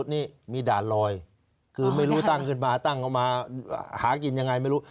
จริง๔๐ก็คือไม่รู้ตั้งขึ้นมาตั้งออกมาหากินยังไงไม่รู้